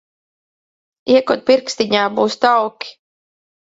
Iekod pirkstiņā, būs tauki.